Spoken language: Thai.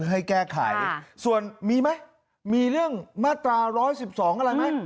ให้แก้ไขส่วนมีมั้ยมีเรื่องมาตราร้อยสิบสองอะไรมั้ย